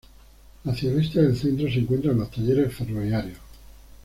Hacia el este del centro se encuentran los talleres ferroviarios.